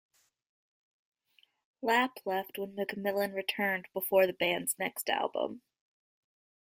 Lapp left when MacMillan returned before the band's next album.